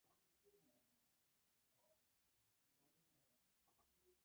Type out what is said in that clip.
Adquirió un fundo en las afueras de Chillán, donde pasaba largas temporadas.